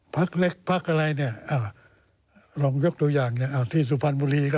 พักเล็กพักอะไรเนี่ยลองยกตัวอย่างที่สุพรรณบุรีก็